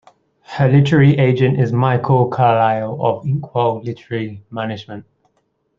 Her literary agent is Michael Carlisle of Inkwell Literary Management.